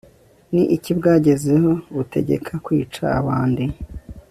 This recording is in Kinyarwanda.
ni iki bwagezeho butegeka kwica abandi